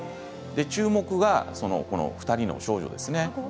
注目は、この２人の少女です。